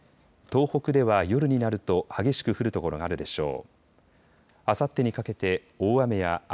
東北では夜になると激しく降る所があるでしょう。